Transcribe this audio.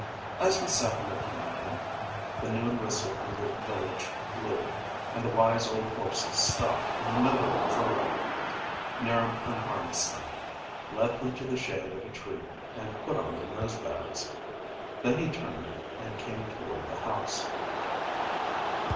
As we sat looking at him the noon whistle from the village blew and the wise old horses stopped in the middle of a furrow. 'Niram unharnessed them, led them to the shade of a tree, and put on their nose bags. Then he turned and came toward the house.